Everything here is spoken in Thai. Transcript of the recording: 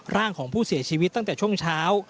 ร่างของผู้เสียชีวิตตั้งแต่ช่วงเช้า